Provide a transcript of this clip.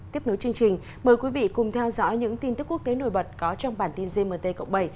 tiếp nối chương trình mời quý vị cùng theo dõi những tin tức quốc tế nổi bật có trong bản tin gmt cộng bảy